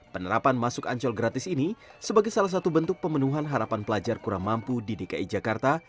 penerapan masuk ancol gratis ini sebagai salah satu bentuk pemenuhan harapan pelajar kurang mampu di dki jakarta